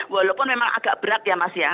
walaupun memang agak berat ya mas ya